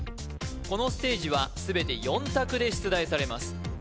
このステージは全て４択で出題されます